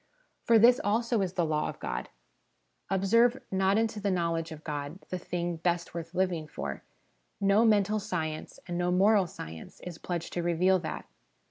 For this, also, is the law of God. Observe, not into the knowledge of God, the thing best worth living for: no mental science, and no moral science, is pledged to reveal that.